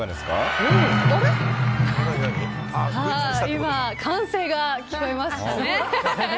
今、歓声が聞こえましたね。